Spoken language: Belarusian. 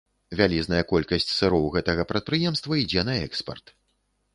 Вялізная колькасць сыроў гэтага прадпрыемства ідзе на экспарт.